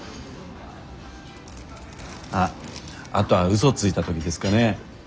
あっあとは嘘ついた時ですかね。